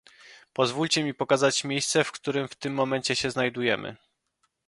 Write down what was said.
Pozwólcie mi pokazać miejsce, w którym w tym momencie się znajdujemy